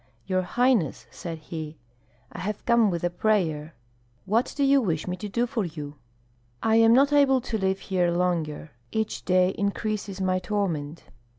"Your highness," said he "I have come with a prayer." "What do you wish me to do for you?" "I am not able to live here longer. Each day increases my torment.